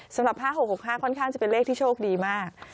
สำหรับ๕๖๖๕ค่อนข้างจะเป็นเลขที่โชคดีมาก